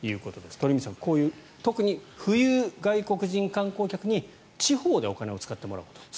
鳥海さん、こういう特に富裕外国人観光客に地方でお金を使ってもらおうと。